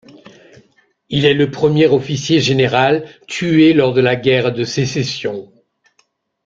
Il est le premier officier général tué lors de la guerre de Sécession.